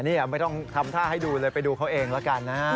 นี่ไม่ต้องทำท่าให้ดูเลยไปดูเขาเองแล้วกันนะฮะ